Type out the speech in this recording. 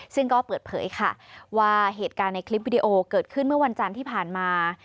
ซึ่งก็เปิดเผยค่ะว่าเหตุการณ์ในคลิปวิดีโอเกิดขึ้นเมื่อวันจันทร์ที่ผ่านมา